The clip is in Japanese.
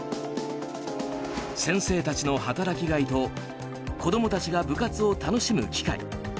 先生たちの働きがいと子供たちの部活を楽しむ機会。